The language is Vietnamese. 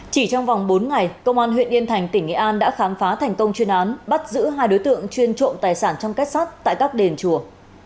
chỉ trong vòng bốn ngày công an huyện yên thành tỉnh nghệ an đã khám phá thành công chuyên án bắt giữ hai đối tượng chuyên trộm tài sản trong kết sắt tại các đền chùa